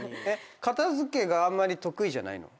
片付けがあんまり得意じゃないの？